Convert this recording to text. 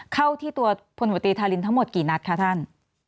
เข้าที่ตัวพศธารินทร์ทั้งหมดกี่นัดค่ะท่าน